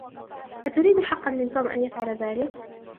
أتريد حقا من توم أن يفعل ذلك؟